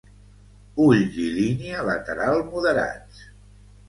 Ulls i línia lateral moderats.